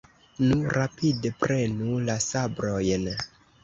Nu, rapide, prenu la sabrojn!